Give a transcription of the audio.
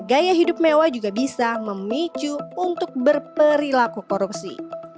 gaya hidup mewah juga bisa memicu untuk berperilaku korupsi